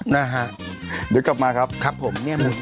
นะฮะเดี๋ยวกลับมาครับครับผมเนี่ย